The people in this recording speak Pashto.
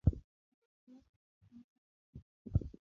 ډاټا او ارقام سره راټول کړي.